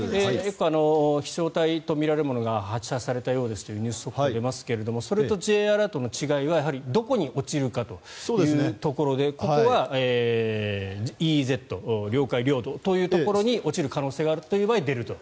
飛翔体とみられるものが発射されたようだというニュースがありますがそれとＪアラートの違いはどこに落ちるかというところでここはＥＥＺ領海・領土というところに落ちる可能性がある場合に出ると。